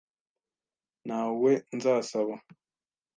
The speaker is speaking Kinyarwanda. Nta we nzasaba